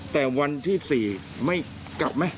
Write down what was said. แต่วันที่๔ไม่กลับไหม